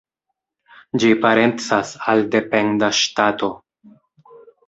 Ĝi parencas al dependa ŝtato.